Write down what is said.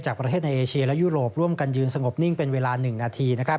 ประเทศในเอเชียและยุโรปร่วมกันยืนสงบนิ่งเป็นเวลา๑นาที